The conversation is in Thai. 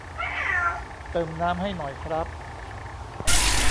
เติมน้ำให้หน่อยครับ